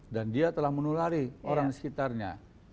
dan dia telah menulari orang di sekitarnya